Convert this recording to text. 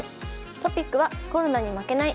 トピックは「コロナに負けない！